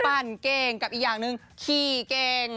เก่งกับอีกอย่างหนึ่งขี่เก่ง